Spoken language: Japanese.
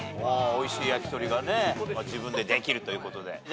おいしい焼き鳥が自分でできるということで。